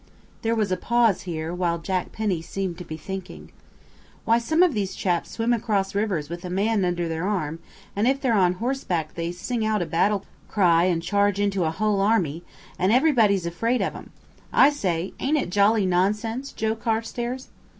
There was a pause here, while Jack Penny seemed to be thinking. "Why, some of these chaps swim across rivers with a man under their arm, and if they're on horseback they sing out a battle cry and charge into a whole army, and everybody's afraid of 'em. I say, ain't it jolly nonsense Joe Carstairs?"